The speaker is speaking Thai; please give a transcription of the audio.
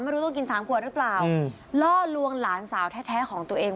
ไม่รู้ต้องกินสามขวดหรือเปล่าล่อลวงหลานสาวแท้ของตัวเอง